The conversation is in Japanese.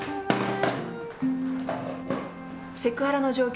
セクハラの状況